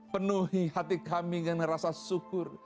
penuhi hati kami dengan rasa syukur